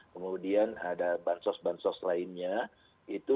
kemudian ada bansos bansos lainnya itu